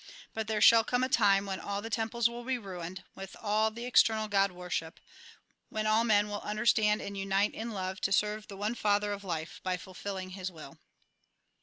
But there shall come a time when all the temples will be ruined, with all the external God worship ; when all men will understand, and unite in love, to serve the one Father of life, by fulfilling His will."